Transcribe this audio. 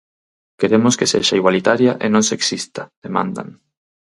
Queremos que sexa igualitaria e non sexista, demandan.